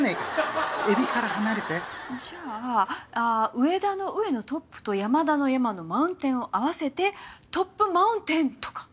上田の「上」のトップと山田の「山」のマウンテンを合わせてトップマウンテンとか。